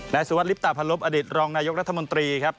ในสุวรรคลิปต่าพันลบอดิษฐ์รองนายกรัฐมนตรีครับ